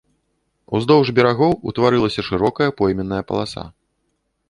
Уздоўж берагоў утварылася шырокая пойменная паласа.